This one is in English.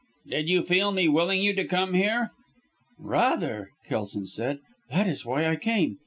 "Did you feel me willing you to come here?" "Rather!" Kelson said. "That is why I came.